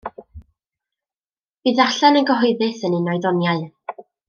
Bu ddarllen yn gyhoeddus yn un o'i ddoniau.